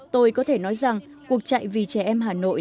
tôi có thể nói rằng cuộc chạy vì trẻ em hà nội